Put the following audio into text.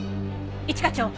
一課長。